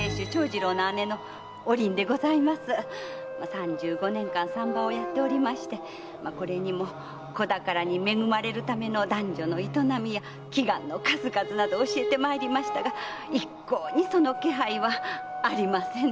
三十五年間産婆をやっていましてこれにも子宝に恵まれるための男女の営みや祈願の数々を教えてまいりましたが一向にその気配はありません